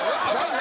何？